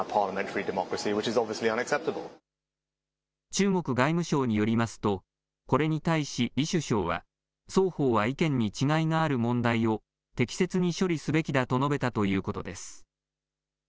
中国外務省によりますと、これに対し、李首相は、双方は意見に違いがある問題を適切に処理すべきだと述べたということです。